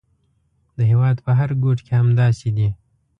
د هېواد په هر ګوټ کې همداسې دي.